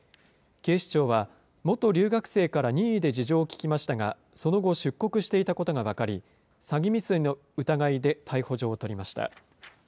警視庁は、元留学生から任意で事情を聴きましたが、その後、出国していたことが分かり、詐欺未遂の疑いで逮捕状を取りました。